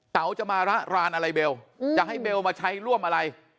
จะมาระรานอะไรเบลจะให้เบลมาใช้ร่วมอะไร